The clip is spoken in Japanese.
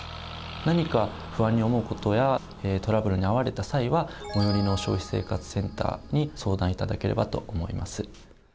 何か不安に思う事やトラブルに遭われた際は最寄りの消費生活センターに相談頂ければと思います。